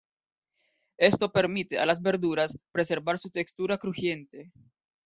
Esto permite a las verduras preservar su textura crujiente.